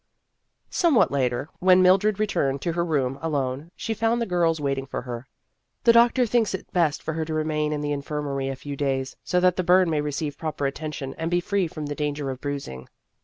Somewhat later, when Mildred returned to her room alone, she found the girls waiting for her. " The doctor thinks it best for her to remain in the infirmary a few days, so that the burn may receive proper attention and be free from the danger of bruising."